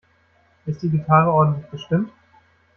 Ist die Gitarre ordentlich gestimmt?